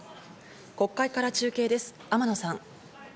国会から中継です、天野さん。